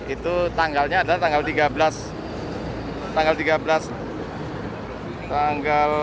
itu tanggalnya adalah tanggal tiga belas dan empat belas